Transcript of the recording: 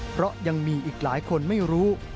เพราะยังมีอีกหลายคนไม่รู้